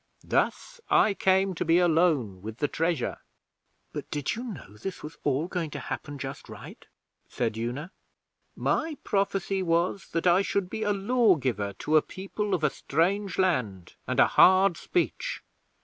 Thus I came to be alone with the treasure.' 'But did you know this was all going to happen just right?' said Una. 'My Prophecy was that I should be a Lawgiver to a People of a strange land and a hard speech.